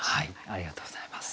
ありがとうございます。